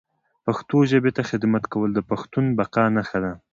پښتو ژبي ته خدمت کول د پښتون بقا نښه ده